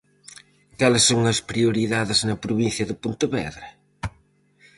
Cales son as prioridades na provincia de Pontevedra?